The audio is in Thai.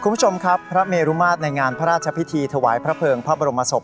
คุณผู้ชมครับพระเมรุมาตรในงานพระราชพิธีถวายพระเภิงพระบรมศพ